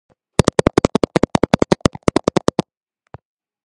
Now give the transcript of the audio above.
სავარაუდოდ ნიში აგებულია ძველი ეკლესიის ადგილზე.